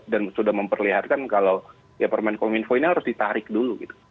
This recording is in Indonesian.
dan sudah memperlihatkan kalau ya permain kominfo ini harus ditarik dulu gitu